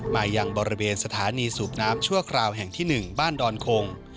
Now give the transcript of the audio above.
มายังบริเวณสถานีสูบน้ำชั่วคราวแห่งที่๑บ้านดอนคง